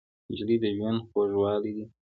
نجلۍ د ژوند خوږوالی دی.